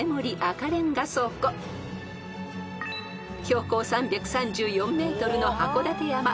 ［標高３３４ｍの函館山］